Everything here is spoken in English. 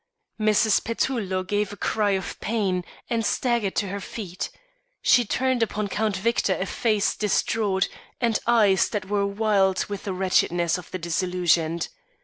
Mrs. Petullo gave a cry of pain and staggered to her feet. She turned upon Count Victor a face distraught and eyes that were wild with the wretchedness of the disillusioned.